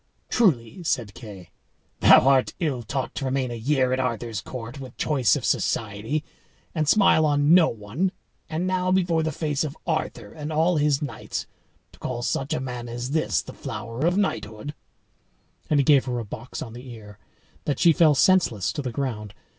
"Truly," said Kay, "thou art ill taught to remain a year at Arthur's court, with choice of society, and smile on no one, and now before the face of Arthur and all his knights to call such a man as this the flower of knighthood;" and he gave her a box on the ear, that she fell senseless to the ground.